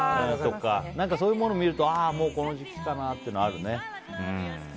そういうものを見るともうこの時期かなはあるね。